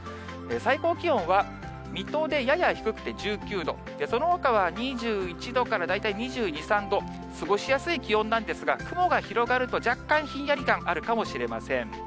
最高気温は、水戸でやや低くて１９度、そのほかは２１度から、大体２２、３度、過ごしやすい気温なんですが、雲が広がると、若干ひんやり感あるかもしれません。